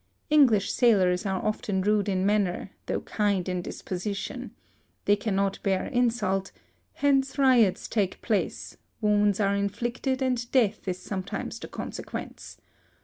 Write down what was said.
English sailors are often rude in manner, though kind in disposition. They cannot bear insult;—hence riots take place, wounds are inflicted, and death is sometimes the consequence.